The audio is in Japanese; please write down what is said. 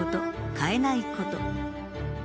変えないこと」。